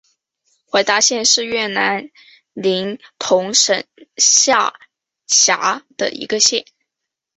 达怀县是越南林同省下辖的一个县。